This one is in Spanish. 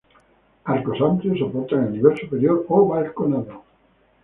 Arcos amplios soportan el nivel superior, o balconada.